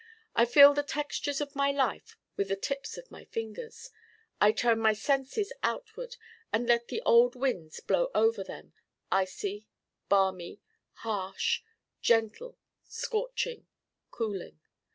I feel the textures of my life with the tips of my fingers. I turn my senses outward and let the old winds blow over them icy, balmy, harsh, gentle, scorching, cooling.